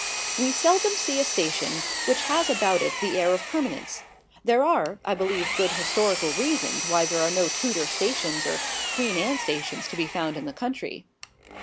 We seldom see a station which has about it the air of permanence. There are, I believe good historical reasons why there are no Tudor stations or Queen Anne stations to be found in the country.